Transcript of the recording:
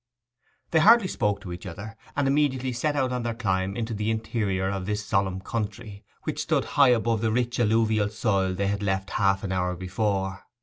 They hardly spoke to each other, and immediately set out on their climb into the interior of this solemn country, which stood high above the rich alluvial soil they had left half an hour before.